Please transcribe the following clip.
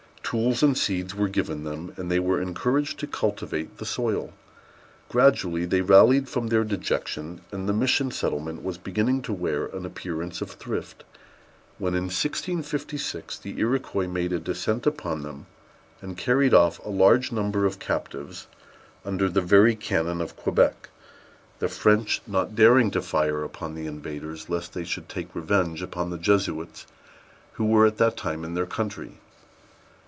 Tools and seeds were given them, and they were encouraged to cultivate the soil. Gradually they rallied from their dejection, and the mission settlement was beginning to wear an appearance of thrift, when, in 1656, the Iroquois made a descent upon them, and carried off a large number of captives, under the very cannon of Quebec; the French not daring to fire upon the invaders, lest they should take revenge upon the Jesuits who were at that time in their country.